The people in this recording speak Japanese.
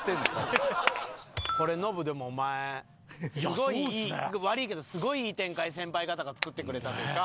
これノブでもお前すごいいい悪いけどすごいいい展開先輩方が作ってくれたというか。